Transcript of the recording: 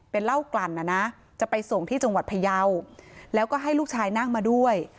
เป็นเหล้ากลั่นนะนะจะไปส่งที่จังหวัดพยาวแล้วก็ให้ลูกชายนั่งมาด้วย